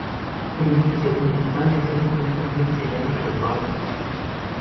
El edificio principal de seis plantas fue diseñado por Ralph Knott.